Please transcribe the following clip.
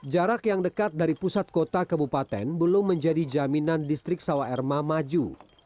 jarak yang dekat dari pusat kota kebupaten belum menjadi jaminan distrik sawa erma maju